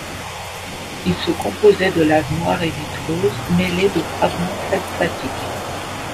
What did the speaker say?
Il se composait de laves noires et vitreuses, mêlées de fragments feldspathiques.